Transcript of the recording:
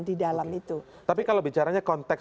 di dalam itu tapi kalau bicaranya konteks